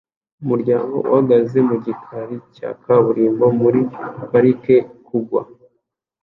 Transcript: Umuryango uhagaze mu gikari cya kaburimbo muri parike kugwa